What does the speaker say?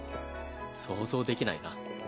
想像できないな。